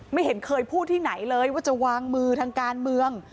ไม่เห็นเคยพูดที่ไหนเลยว่าจะวางมือทางการเมือง